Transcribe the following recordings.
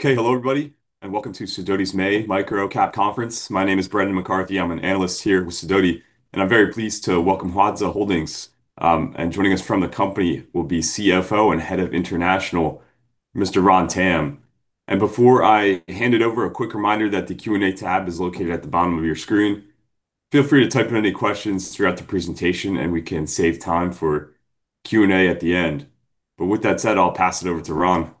Okay. Hello everybody, and welcome to Sidoti's May Microcap Conference. My name is Brendan McCarthy. I'm an analyst here with Sidoti, and I'm very pleased to welcome Huize Holding Limited. Joining us from the company will be CFO and Head of International, Mr. Ron Tam. Before I hand it over, a quick reminder that the Q&A tab is located at the bottom of your screen. Feel free to type in any questions throughout the presentation, and we can save time for Q&A at the end. With that said, I'll pass it over to Ron.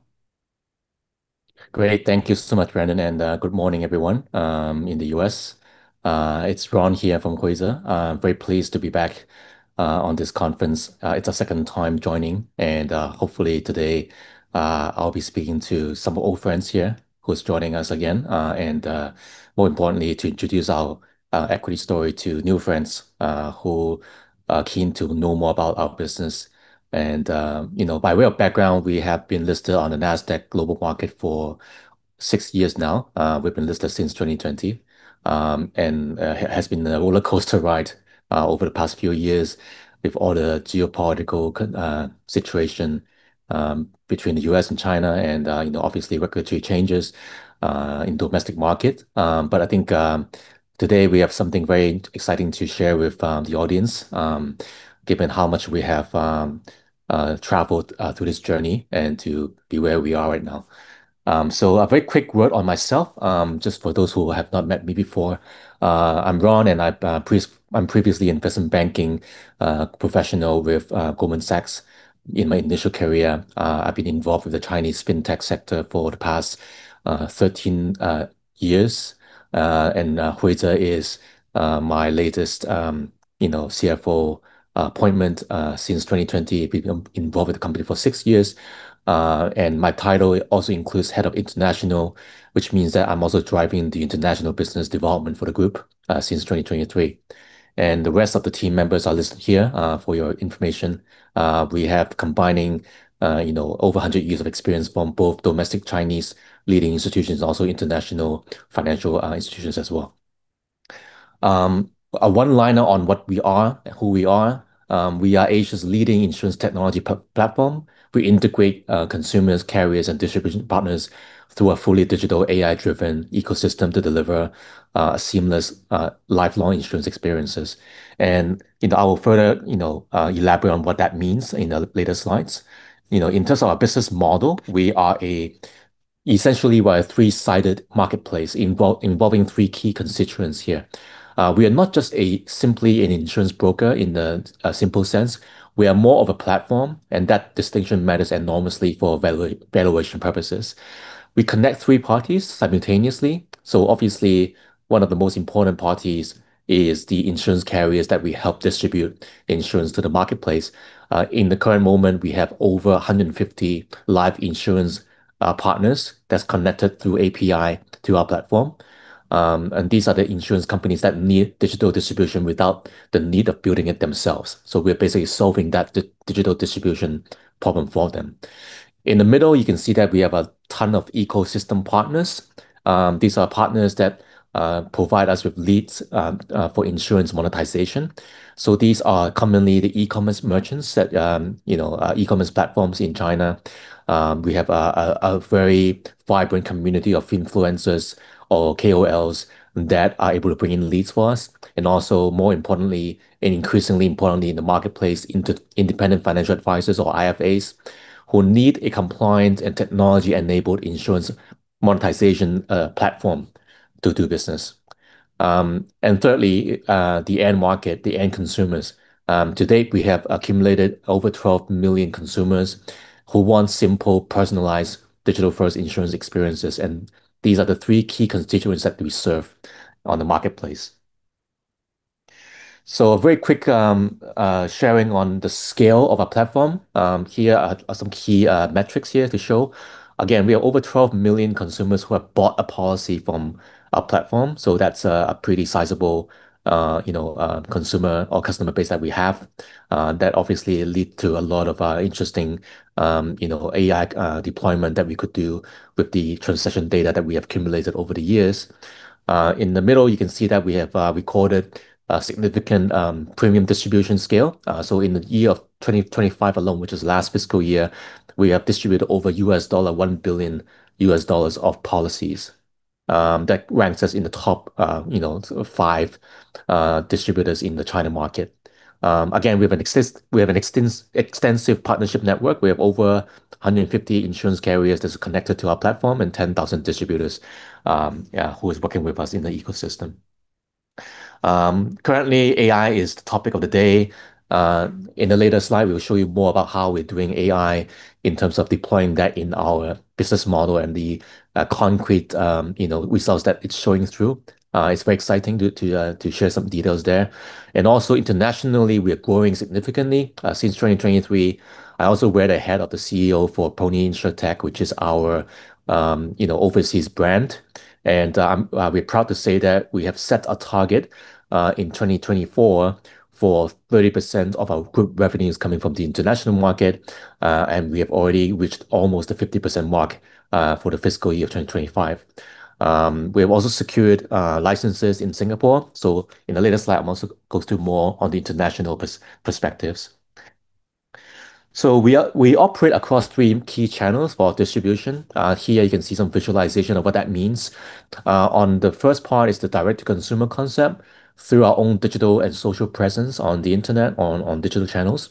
Great. Thank you so much, Brendan, and good morning, everyone in the U.S. It's Ron here from Huize. Very pleased to be back on this conference. It's our second time joining and hopefully today, I'll be speaking to some old friends here who's joining us again. More importantly, to introduce our equity story to new friends who are keen to know more about our business. You know, by way of background, we have been listed on the Nasdaq Global Market for six years now. We've been listed since 2020 and has been a rollercoaster ride over the past few years with all the geopolitical situation between the U.S. and China and, you know, obviously regulatory changes in domestic market. I think today we have something very exciting to share with the audience, given how much we have traveled through this journey and to be where we are right now. A very quick word on myself, just for those who have not met me before. I'm Ron, I'm previously investment banking professional with Goldman Sachs in my initial career. I've been involved with the Chinese fintech sector for the past 13 years. Huize is my latest, you know, CFO appointment. Since 2020, I've been involved with the company for six years. My title also includes Head of International, which means that I'm also driving the international business development for the group since 2023. The rest of the team members are listed here for your information. We have combining, you know, over 100 years of experience from both domestic Chinese leading institutions and also international financial institutions as well. A one-liner on what we are and who we are. We are Asia's leading insurance technology platform. We integrate consumers, carriers, and distribution partners through a fully digital AI-driven ecosystem to deliver seamless lifelong insurance experiences. You know, I will further, you know, elaborate on what that means in the later slides. You know, in terms of our business model, essentially, we're a three-sided marketplace involving three key constituents here. We are not just a simply an insurance broker in the simple sense. We are more of a platform, and that distinction matters enormously for evaluation purposes. We connect three parties simultaneously. obviously, one of the most important parties is the insurance carriers that we help distribute insurance to the marketplace. in the current moment, we have over 150 live insurance partners that's connected through API to our platform. these are the insurance companies that need digital distribution without the need of building it themselves. we're basically solving that digital distribution problem for them. In the middle, you can see that we have a ton of ecosystem partners. these are partners that provide us with leads for insurance monetization. these are commonly the e-commerce merchants that, you know, e-commerce platforms in China. We have a very vibrant community of influencers or KOLs that are able to bring in leads for us, and also, more importantly, and increasingly importantly in the marketplace, independent financial advisors or IFAs who need a compliant and technology-enabled insurance monetization platform to do business. Thirdly, the end market, the end consumers. To date, we have accumulated over 12 million consumers who want simple, personalized digital-first insurance experiences. These are the three key constituents that we serve on the marketplace. A very quick sharing on the scale of our platform. Here are some key metrics here to show. Again, we have over 12 million consumers who have bought a policy from our platform, so that's a pretty sizable, you know, consumer or customer base that we have, that obviously lead to a lot of interesting, you know, AI deployment that we could do with the transaction data that we have accumulated over the years. In the middle, you can see that we have recorded a significant premium distribution scale. In the year of 2025 alone, which is last fiscal year, we have distributed over $1 billion of policies, that ranks us in the top, you know, five distributors in the China market. Again, we have an extensive partnership network. We have over 150 insurance carriers that are connected to our platform and 10,000 distributors, yeah, who is working with us in the ecosystem. Currently, AI is the topic of the day. In the later slide, we will show you more about how we're doing AI in terms of deploying that in our business model and the concrete, you know, results that it's showing through. It's very exciting to share some details there. Also internationally, we are growing significantly since 2023. I also wear the hat of the CEO for Poni Insurtech, which is our, you know, overseas brand. We're proud to say that we have set a target in 2024 for 30% of our group revenue is coming from the international market. We have already reached almost the 50% mark for the fiscal year 2025. We have also secured licenses in Singapore. In the later slide, I'm going to go through more on the international perspectives. We operate across three key channels for distribution. Here you can see some visualization of what that means. On the first part is the direct-to-consumer concept through our own digital and social presence on the Internet, on digital channels.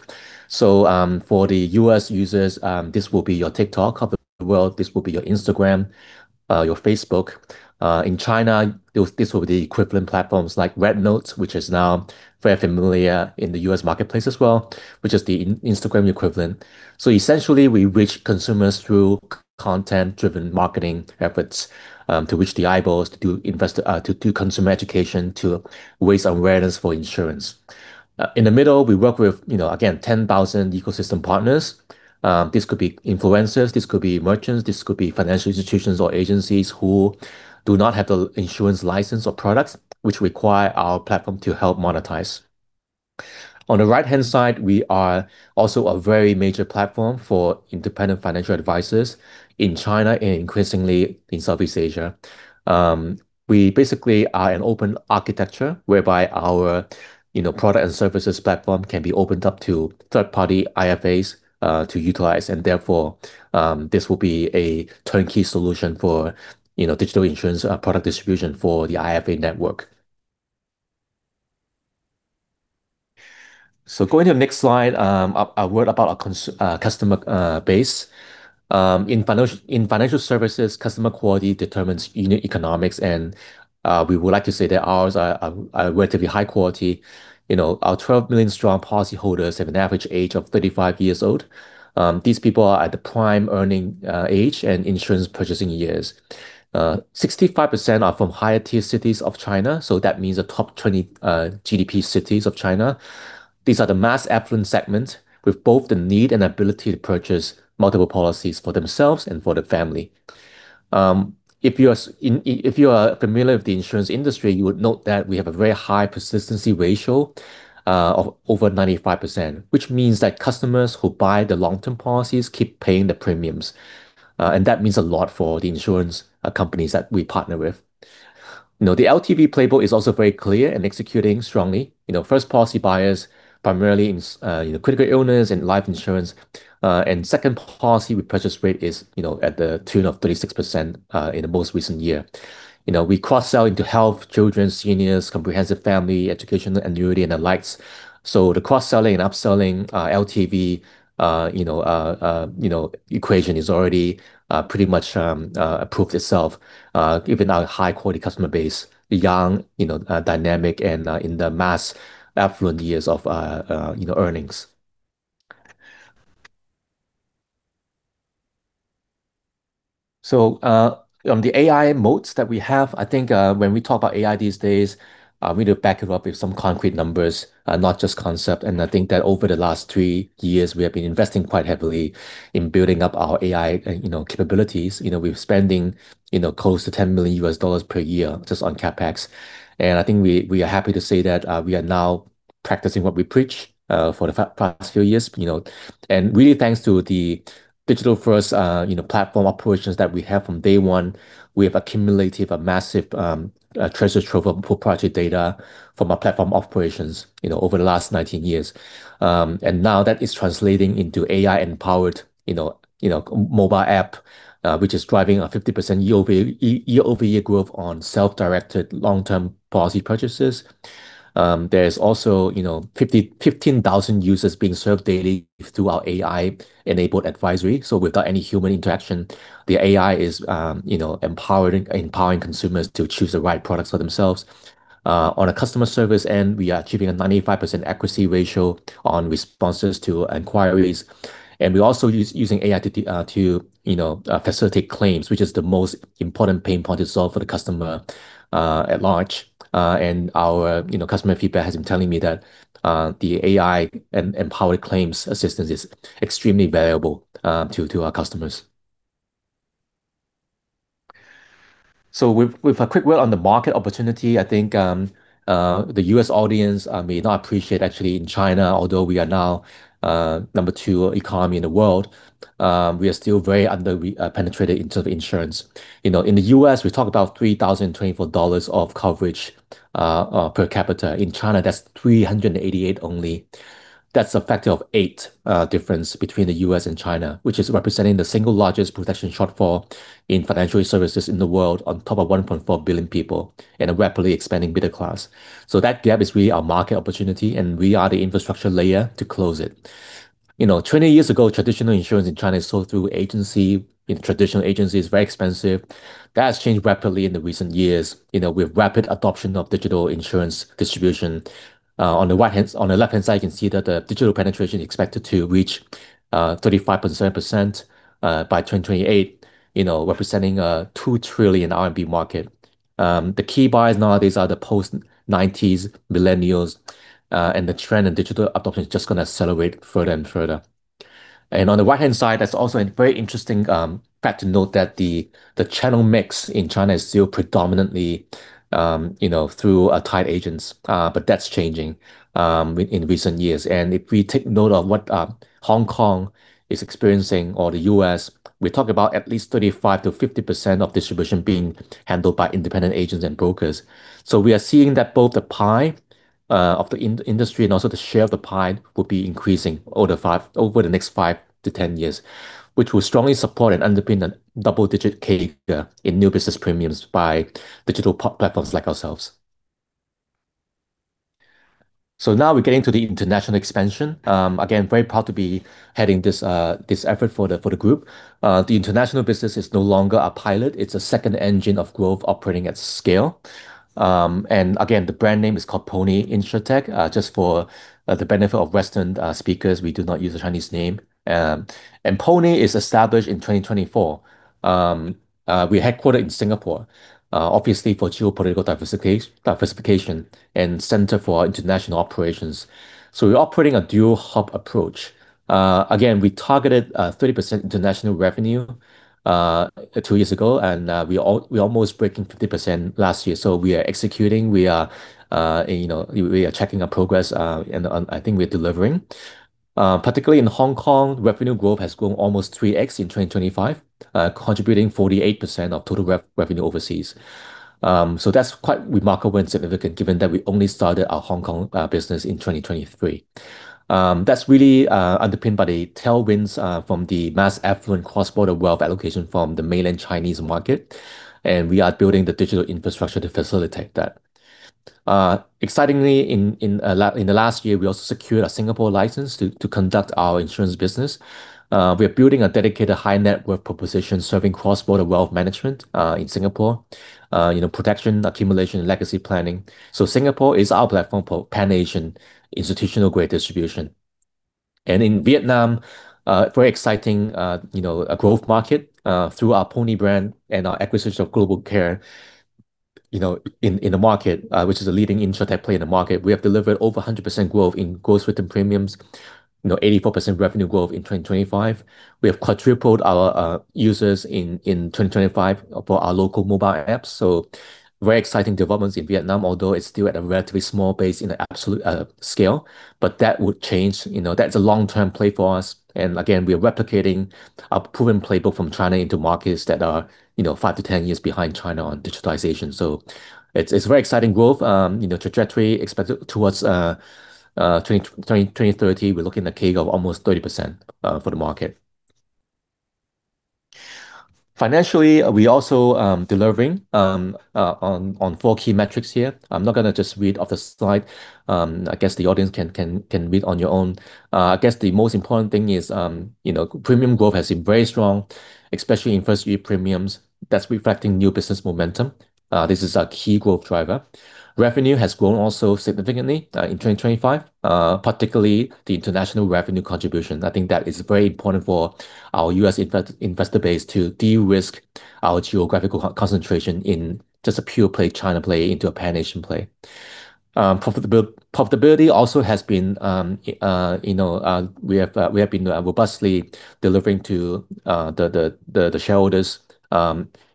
For the U.S. users, this will be your TikTok. Other parts of the world, this will be your Instagram, your Facebook. In China, this will be the equivalent platforms like Xiaohongshu, which is now very familiar in the U.S. marketplace as well, which is the Instagram equivalent. Essentially, we reach consumers through content-driven marketing efforts, to which the eyeballs to consumer education, to raise awareness for insurance. In the middle, we work with, you know, again, 10,000 ecosystem partners. This could be influencers, this could be merchants, this could be financial institutions or agencies who do not have the insurance license or products which require our platform to help monetize. On the right-hand side, we are also a very major platform for independent financial advisors in China and increasingly in Southeast Asia. We basically are an open architecture whereby our, you know, product and services platform can be opened up to third-party IFAs to utilize, and therefore, this will be a turnkey solution for, you know, digital insurance product distribution for the IFA network. Going to the next slide, a word about our customer base. In financial services, customer quality determines unit economics and we would like to say that ours are relatively high quality. You know, our 12 million strong policyholders have an average age of 35 years old. These people are at the prime earning age and insurance purchasing years. 65% are from higher tier cities of China, so that means the top 20 GDP cities of China. These are the mass affluent segment with both the need and ability to purchase multiple policies for themselves and for the family. If you are familiar with the insurance industry, you would note that we have a very high persistency ratio of over 95%, which means that customers who buy the long-term policies keep paying the premiums. That means a lot for the insurance companies that we partner with. You know, the LTV playbook is also very clear and executing strongly. You know, first policy buyers primarily in critical illness and life insurance. Second policy repurchase rate is, you know, at the tune of 36% in the most recent year. You know, we cross-sell into health, children's, seniors, comprehensive family, education, annuity, and the likes. The cross-selling and upselling LTV, you know, you know, equation is already pretty much proved itself, given our high-quality customer base, young, you know, dynamic and in the mass affluent years of, you know, earnings. So on the AI models that we have, I think when we talk about AI these days, we look back with some concrete numbers, not just concept .I think that over the last three years, we have been investing quite heavily in building up our AI, you know, capabilities. You know, we're spending, you know, close to $10 million per year just on CapEx. I think we are happy to say that we are now practicing what we preach for the past few years. You know, really thanks to the digital-first, you know, platform operations that we have from day one, we have accumulated a massive treasure trove of proprietary data from our platform operations, you know, over the last 19 years. Now that is translating into AI-empowered, you know, mobile app, which is driving a 50% year-over-year growth on self-directed long-term policy purchases. There is also, you know, 15,000 users being served daily through our AI-enabled advisory. Without any human interaction, the AI is, you know, empowering consumers to choose the right products for themselves. On a customer service end, we are achieving a 95% accuracy ratio on responses to inquiries. We're also using AI to facilitate claims, which is the most important pain point to solve for the customer at large. Our customer feedback has been telling me that the AI empowered claims assistance is extremely valuable to our customers. With a quick word on the market opportunity, I think the U.S. audience may not appreciate actually in China, although we are now number two economy in the world, we are still very under penetrated into the insurance. You know, in the U.S., we talk about $3,024 of coverage per capita. In China, that's $388 only. That's a factor of eight difference between the U.S. and China, which is representing the single largest protection shortfall in financial services in the world on top of 1.4 billion people in a rapidly expanding middle class. That gap is really our market opportunity, and we are the infrastructure layer to close it. You know, 20 years ago, traditional insurance in China is sold through agency, you know, traditional agency. It's very expensive. That has changed rapidly in the recent years, you know, with rapid adoption of digital insurance distribution. On the left-hand side, you can see that the digital penetration expected to reach 35.7% by 2028, you know, representing 2 trillion RMB market. The key buyers nowadays are the post-90s millennials, and the trend in digital adoption is just gonna accelerate further and further. On the right-hand side, that's also a very interesting fact to note that the channel mix in China is still predominantly, you know, through tied agents. That's changing in recent years. If we take note of what Hong Kong is experiencing or the U.S., we talk about at least 35%-50% of distribution being handled by independent agents and brokers. We are seeing that both the pie of the industry and also the share of the pie will be increasing over the next five to 10 years, which will strongly support and underpin a double-digit CAGR in new business premiums by digital platforms like ourselves. Now we're getting to the international expansion. Again, very proud to be heading this effort for the group. The international business is no longer a pilot. It's a second engine of growth operating at scale. Again, the brand name is called Poni Insurtech. Just for the benefit of Western speakers, we do not use a Chinese name. Poni is established in 2024. We're headquartered in Singapore, obviously for geopolitical diversification and center for international operations. We are operating a dual hub approach. Again, we targeted 30% international revenue two years ago, we almost breaking 50% last year. We are executing. We are, you know, we are checking our progress, and I think we are delivering. Particularly in Hong Kong, revenue growth has grown almost 3x in 2025, contributing 48% of total revenue overseas. That's quite remarkable and significant given that we only started our Hong Kong business in 2023. That's really underpinned by the tailwinds from the mass affluent cross-border wealth allocation from the mainland Chinese market, and we are building the digital infrastructure to facilitate that. Excitingly, in the last year, we also secured a Singapore license to conduct our insurance business. We are building a dedicated high-net worth proposition serving cross-border wealth management in Singapore, you know, protection, accumulation, and legacy planning. Singapore is our platform for pan-Asian institutional-grade distribution. In Vietnam, very exciting, you know, a growth market, through our Poni brand and our acquisition of Global Care, you know, in the market, which is a leading insurtech play in the market. We have delivered over 100% growth in gross written premiums, you know, 84% revenue growth in 2025. We have quadrupled our users in 2025 for our local mobile apps. Very exciting developments in Vietnam, although it's still at a relatively small base in an absolute scale. That would change. You know, that's a long-term play for us. Again, we are replicating a proven playbook from China into markets that are, you know, five to 10 years behind China on digitization. It's very exciting growth, you know, trajectory expected towards 2030. We're looking at a CAGR of almost 30% for the market. Financially, we also delivering on four key metrics here. I'm not going to just read off the slide. I guess the audience can read on your own. I guess the most important thing is, you know, premium growth has been very strong, especially in first-year premiums. That's reflecting new business momentum. This is a key growth driver. Revenue has grown also significantly in 2025, particularly the international revenue contributions. I think that is very important for our U.S. investor base to de-risk our geographical concentration in just a pure play China play into a pan-Asian play. Profitability also has been, you know, we have been robustly delivering to the shareholders,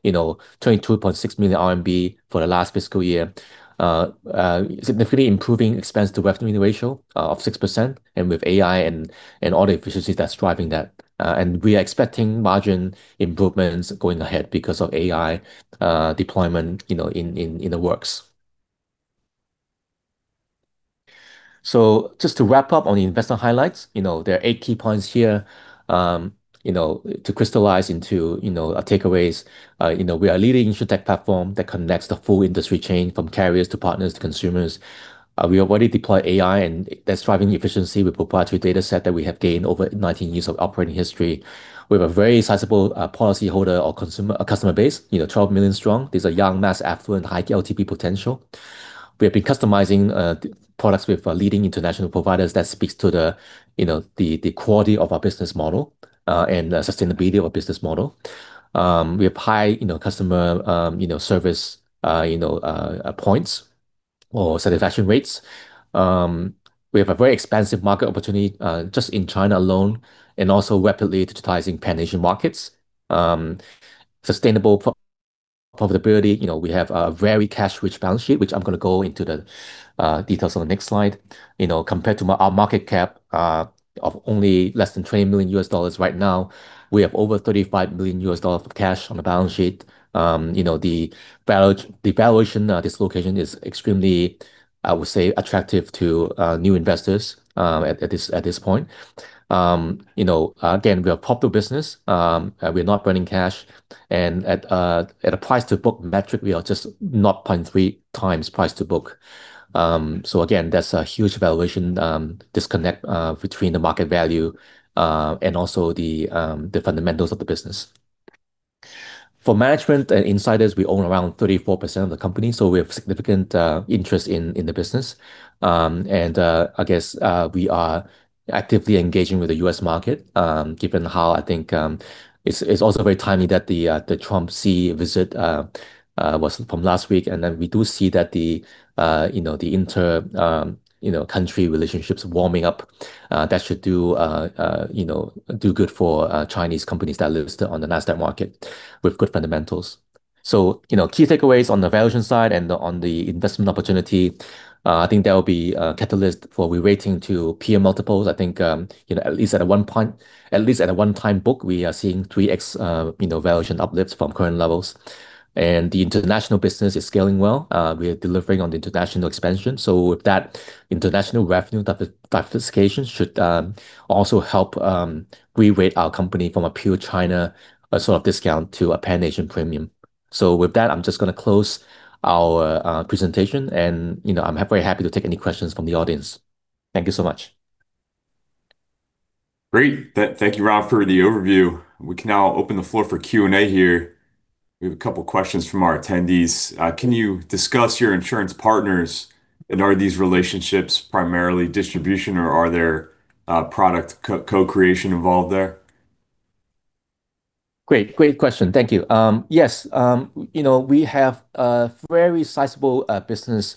you know, 22.6 million RMB for the last fiscal year, significantly improving expense to revenue ratio of 6% and with AI and all the efficiencies that's driving that. We are expecting margin improvements going ahead because of AI deployment, you know, in the works. Just to wrap up on the investor highlights, you know, there are eight key points here, you know, to crystallize into, you know, takeaways. You know, we are a leading insurtech platform that connects the full industry chain from carriers to partners to consumers. We already deploy AI, and that's driving efficiency with proprietary data set that we have gained over 19 years of operating history. We have a very sizable policyholder or customer base, you know, 12 million strong. These are young, mass affluent, high LTV potential. We have been customizing products with leading international providers. That speaks to the, you know, the quality of our business model and the sustainability of our business model. We have high, you know, customer, you know, service, you know, points or satisfaction rates. We have a very expansive market opportunity just in China alone and also rapidly digitizing pan-Asian markets. Sustainable pro-profitability. You know, we have a very cash-rich balance sheet, which I'm going to go into the details on the next slide. You know, compared to our market cap of only less than $20 million US dollars right now, we have over $35 million US dollar of cash on the balance sheet. You know, the valuation dislocation is extremely, I would say, attractive to new investors at this point. You know, again, we are a profitable business. We're not burning cash and at a price-to-book metric, we are just 0.3 times price to book. Again, that's a huge valuation disconnect between the market value and also the fundamentals of the business. For management and insiders, we own around 34% of the company, we have significant interest in the business. I guess, we are actively engaging with the U.S. market, given how I think, it's also very timely that the Trump-Xi visit was from last week. We do see that the, you know, the inter, you know, country relationships warming up. That should do, you know, do good for Chinese companies that lives on the Nasdaq market with good fundamentals. You know, key takeaways on the valuation side and on the investment opportunity, I think that will be a catalyst for rerating to peer multiples. I think, you know, at least at a one-time book, we are seeing 3x, you know, valuation uplifts from current levels. The international business is scaling well. We are delivering on the international expansion. With that international revenue diversification should also help re-rate our company from a pure China sort of discount to a pan-Asian premium. With that, I'm just gonna close our presentation and, you know, I'm very happy to take any questions from the audience. Thank you so much. Great. Thank you, Ron, for the overview. We can now open the floor for Q&A here. We have a couple questions from our attendees. Can you discuss your insurance partners, are these relationships primarily distribution or are there product co-creation involved there? Great. Great question. Thank you. Yes. You know, we have a very sizable business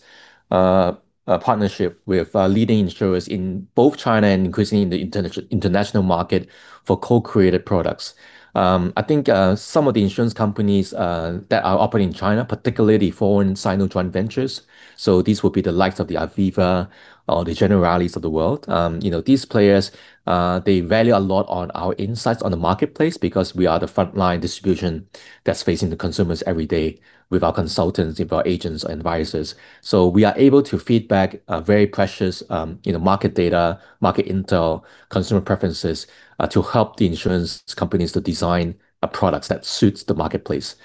partnership with leading insurers in both China and increasingly in the international market for co-created products. I think some of the insurance companies that are operating in China, particularly the foreign Sino joint ventures, so these would be the likes of the Aviva or the Generali's of the world. You know, these players, they value a lot on our insights on the marketplace because we are the frontline distribution that's facing the consumers every day with our consultants, with our agents, and advisors. We are able to feed back very precious, you know, market data, market intel, consumer preferences to help the insurance companies to design products that suits the marketplace.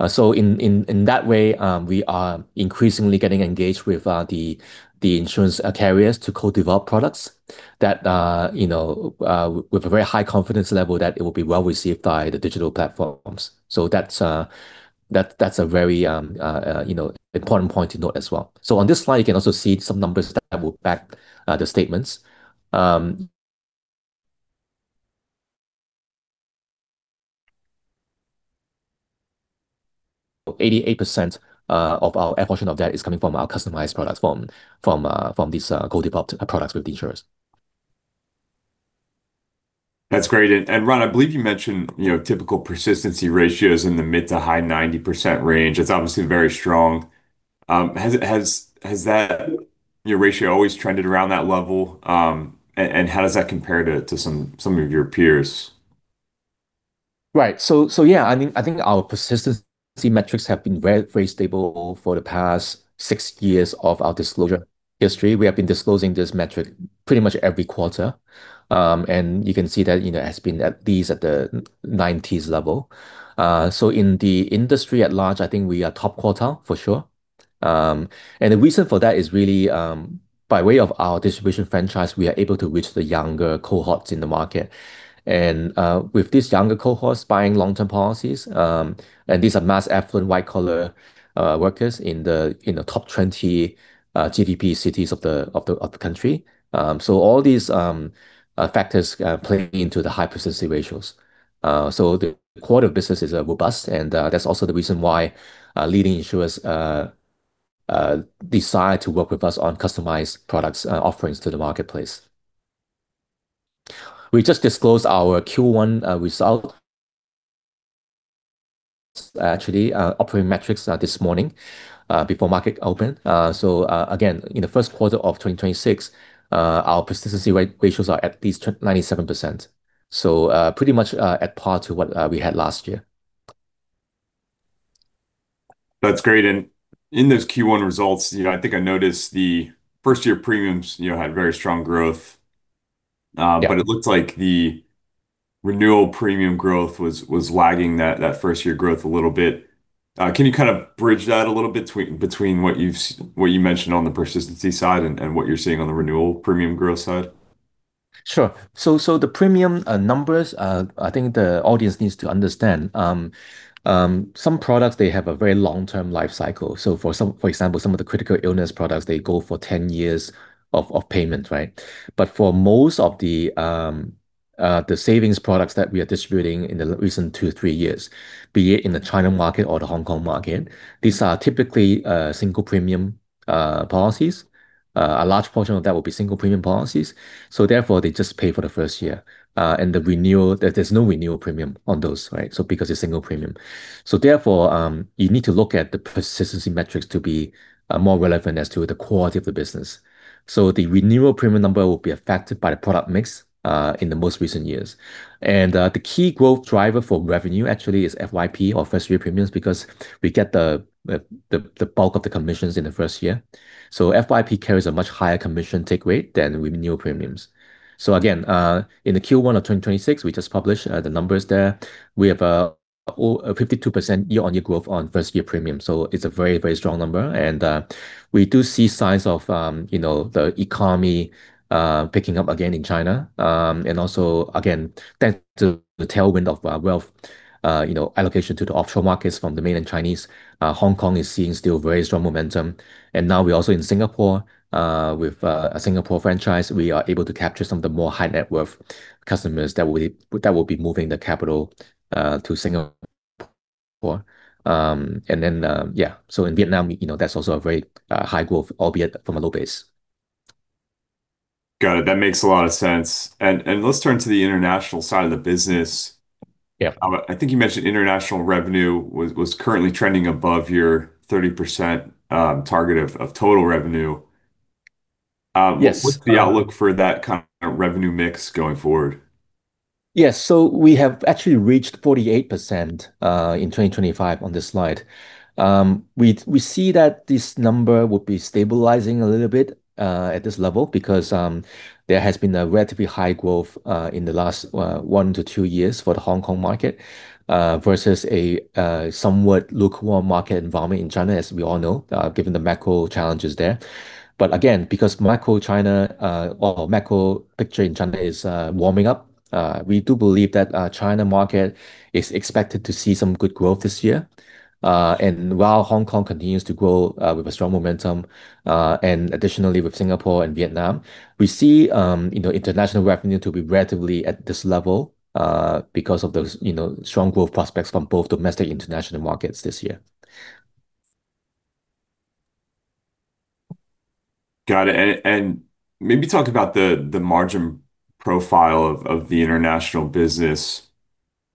In that way, we are increasingly getting engaged with the insurance carriers to co-develop products that, you know, with a very high confidence level that it will be well received by the digital platforms. That's a very, you know, important point to note as well. On this slide, you can also see some numbers that will back the statements. 88% of our portion of that is coming from our customized products from these co-developed products with the insurers. That's great. Ron, I believe you mentioned, you know, typical persistency ratios in the mid to high 90% range. It's obviously very strong. Has that, your ratio always trended around that level? How does that compare to some of your peers? Right. Yeah, I mean, I think our persistency metrics have been very, very stable for the past six years of our disclosure history. We have been disclosing this metric pretty much every quarter. You can see that, you know, it has been at least at the 90s level. In the industry at large, I think we are top quartile for sure. The reason for that is really by way of our distribution franchise, we are able to reach the younger cohorts in the market. With these younger cohorts buying long-term policies, these are mass affluent white collar workers in the top 20 GDP cities of the country. All these factors play into the high persistency ratios. So the quality of business is robust, and that's also the reason why leading insurers decide to work with us on customized products offerings to the marketplace. We just disclosed our Q1 result, actually, operating metrics this morning before market open. So again, in the first quarter of 2026, our persistency ratios are at least 97%. So pretty much at par to what we had last year. That's great. In those Q1 results, you know, I think I noticed the first-year premiums, you know, had very strong growth. Yeah. It looks like the renewal premium growth was lagging that first-year growth a little bit. Can you kind of bridge that a little bit between what you've what you mentioned on the persistency side and what you're seeing on the renewal premium growth side? Sure. The premium numbers, I think the audience needs to understand, some products, they have a very long-term life cycle. For example, some of the critical illness products, they go for 10 years of payment, right? For most of the savings products that we are distributing in the recent two, three years, be it in the China market or the Hong Kong market, these are typically single premium policies. A large portion of that will be single premium policies, therefore, they just pay for the first year. The renewal, there's no renewal premium on those, right? Because it's single premium. Therefore, you need to look at the persistency metrics to be more relevant as to the quality of the business. The renewal premium number will be affected by the product mix in the most recent years. The key growth driver for revenue actually is FYP or first-year premiums because we get the bulk of the commissions in the first year. FYP carries a much higher commission take rate than renewal premiums. Again, in the Q1 of 2026, we just published the numbers there. We have a 52% year-on-year growth on first year premium. It's a very, very strong number. We do see signs of, you know, the economy picking up again in China. Again, thanks to the tailwind of wealth, you know, allocation to the offshore markets from the mainland Chinese, Hong Kong is seeing still very strong momentum. Now we're also in Singapore with a Singapore franchise. We are able to capture some of the more high net worth customers that will be moving the capital to Singapore. In Vietnam, you know, that's also a very high growth, albeit from a low base. Got it. That makes a lot of sense. Let's turn to the international side of the business. Yeah. I think you mentioned international revenue was currently trending above your 30% target of total revenue. Yes. What's the outlook for that kind of revenue mix going forward? Yes. We have actually reached 48% in 2025 on this slide. We see that this number will be stabilizing a little bit at this level because there has been a relatively high growth in the last one to two years for the Hong Kong market versus a somewhat lukewarm market environment in China, as we all know, given the macro challenges there. Again, because macro China, or macro picture in China is warming up, we do believe that China market is expected to see some good growth this year. While Hong Kong continues to grow with a strong momentum, and additionally with Singapore and Vietnam, we see, you know, international revenue to be relatively at this level, because of those, you know, strong growth prospects from both domestic, international markets this year. Got it. Maybe talk about the margin profile of the international business,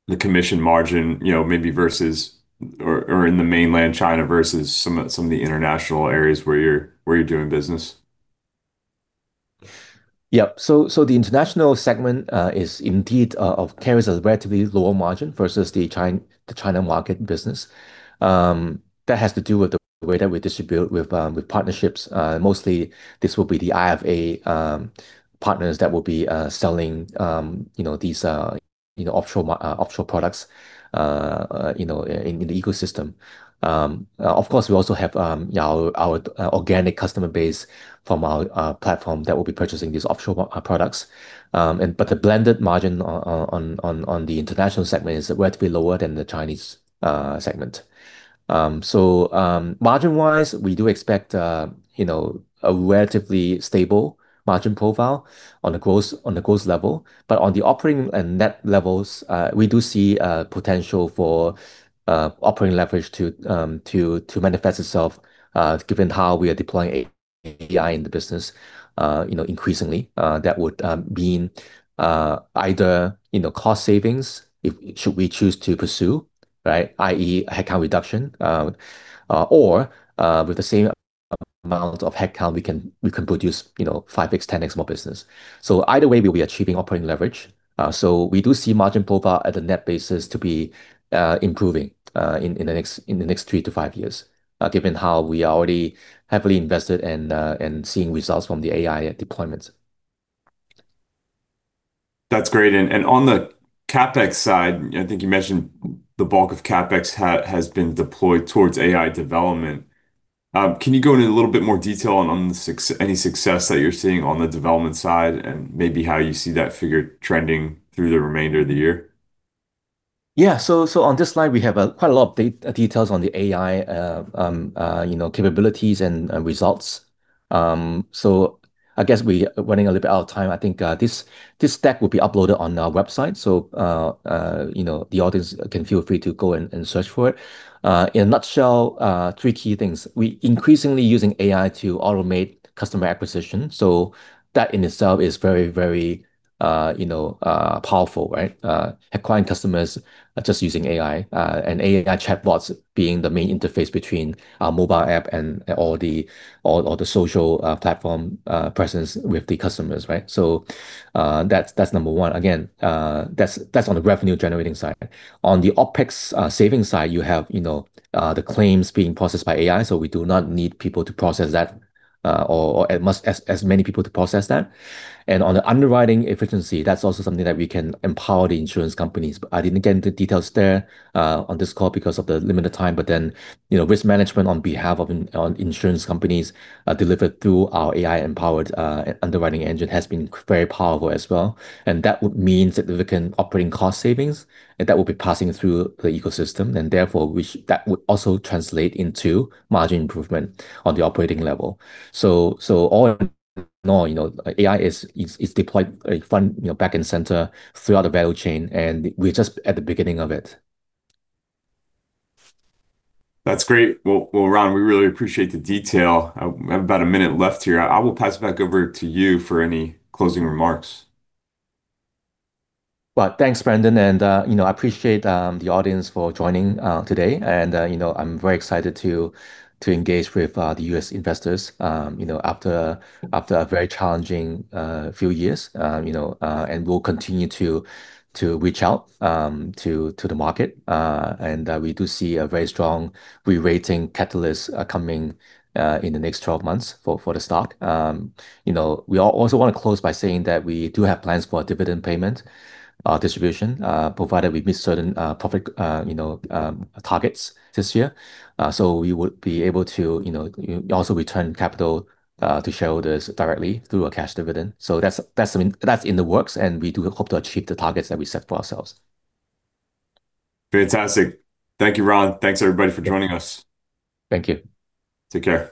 the commission margin, you know, maybe versus or in Mainland China versus some of the international areas where you're doing business. The international segment is indeed carries a relatively lower margin versus the China market business. That has to do with the way that we distribute with partnerships. Mostly this will be the IFA partners that will be selling, you know, these, you know, offshore products, you know, in the ecosystem. Of course, we also have our organic customer base from our platform that will be purchasing these offshore products. The blended margin on the international segment is relatively lower than the Chinese segment. Margin-wise, we do expect, you know, a relatively stable margin profile on a gross level. On the operating and net levels, we do see potential for operating leverage to manifest itself, given how we are deploying AI in the business. You know, increasingly, that would mean either, you know, cost savings if should we choose to pursue, right, i.e., headcount reduction. Or, with the same amount of headcount we can produce, you know, 5x, 10x more business. Either way, we'll be achieving operating leverage. We do see margin profile at the net basis to be improving in the next three to five years, given how we are already heavily invested and seeing results from the AI deployments. That's great. On the CapEx side, I think you mentioned the bulk of CapEx has been deployed towards AI development. Can you go into a little bit more detail on any success that you're seeing on the development side and maybe how you see that figure trending through the remainder of the year? Yeah. On this slide, we have quite a lot of details on the AI, you know, capabilities and results. I guess we running a little bit out of time. I think this deck will be uploaded on our website. You know, the audience can feel free to go and search for it. In a nutshell, three key things. We increasingly using AI to automate customer acquisition. That in itself is very, you know, powerful, right? Acquiring customers just using AI and AI chatbots being the main interface between our mobile app and all the social platform presence with the customers, right? That's number one. Again, that's on the revenue generating side. On the OpEx savings side, you have, you know, the claims being processed by AI, so we do not need people to process that, or at most as many people to process that. On the underwriting efficiency, that's also something that we can empower the insurance companies. I didn't get into details there on this call because of the limited time. You know, risk management on behalf of on insurance companies, delivered through our AI-empowered underwriting engine has been very powerful as well. That would mean significant operating cost savings, and that will be passing through the ecosystem and therefore which that would also translate into margin improvement on the operating level. All in all, you know, AI is deployed front, you know, back, and center throughout the value chain, and we're just at the beginning of it. That's great. Well, well, Ron, we really appreciate the detail. I have about a minute left here. I will pass it back over to you for any closing remarks. Well, thanks, Brendan, you know, I appreciate the audience for joining today. I'm very excited to engage with the U.S. investors, you know, after a very challenging few years. You know, we'll continue to reach out to the market. We do see a very strong re-rating catalyst coming in the next 12 months for the stock. You know, we also want to close by saying that we do have plans for a dividend payment distribution provided we meet certain public, you know, targets this year. We would be able to, you know, also return capital to shareholders directly through a cash dividend. That's something that's in the works. We do hope to achieve the targets that we set for ourselves. Fantastic. Thank you, Ron. Thanks everybody for joining us. Thank you. Take care.